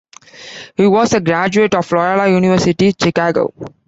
He was a graduate of Loyola University Chicago.